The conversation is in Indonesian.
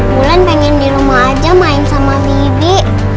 mulan pengen di rumah aja main sama bibi